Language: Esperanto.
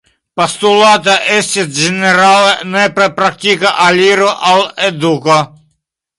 Postulata estis ĝenerale nepra praktika aliro al eduko.